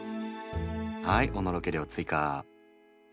はいおのろけ料追加。